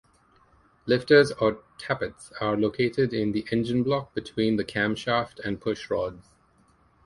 Lifters or "tappets" are located in the engine block between the camshaft and pushrods.